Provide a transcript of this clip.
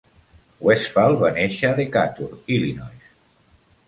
Westfall va néixer a Decatur, Illinois.